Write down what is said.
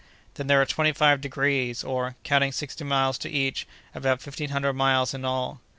"Then there are twenty five degrees, or, counting sixty miles to each, about fifteen hundred miles in all."